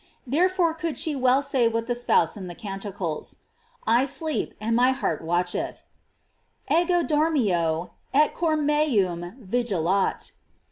§ Therefore could she well say with the spouse in the Can ticles: I sleep and my heart watcheth: "Ego dormio et cor meum vigilat."